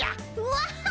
ワッハ！